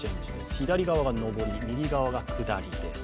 左側が上り、右側が下りです。